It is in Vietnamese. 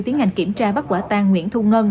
tiến hành kiểm tra bắt quả tang nguyễn thu ngân